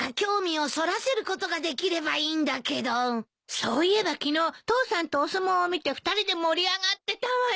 そういえば昨日父さんとお相撲を見て２人で盛り上がってたわよ。